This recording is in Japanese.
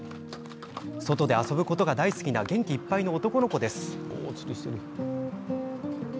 外で遊ぶことが大好きな元気いっぱいの男の子です。